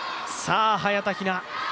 早田ひな